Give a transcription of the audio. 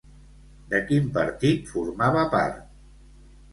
De quin partit formava part?